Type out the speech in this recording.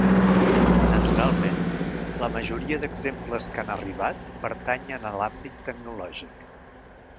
Naturalment, la majoria d'exemples que han arribat pertanyen a l'àmbit tecnològic.